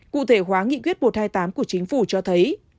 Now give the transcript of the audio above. cụ thể hóa nghị quyết một trăm hai mươi tám của chính phủ cho thấy